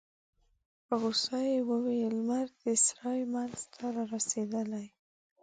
په غوسه يې وویل: لمر د سرای مينځ ته رارسيدلی.